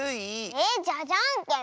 えっじゃあじゃんけん！